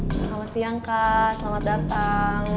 selamat siang kak selamat datang